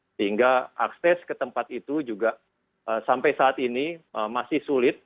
sehingga akses ke tempat itu juga sampai saat ini masih sulit